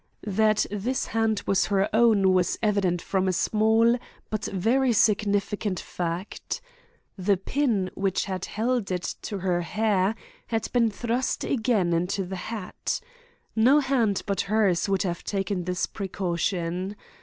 That this hand was her own was evident from a small but very significant fact. The pin which had held it to her hair had been thrust again into the hat. No hand but hers would have taken this precaution.